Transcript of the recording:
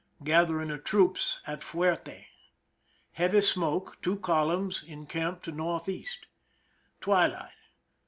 Gathering of troops at fuerte. Heavy smoke, 2 columns, in camp to N. E. TwUight.